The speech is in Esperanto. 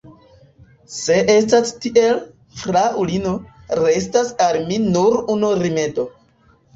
Se estas tiel, fraŭlino, restas al mi nur unu rimedo.